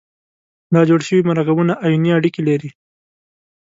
دا جوړ شوي مرکبونه آیوني اړیکې لري.